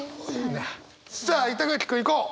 さあ板垣君いこう！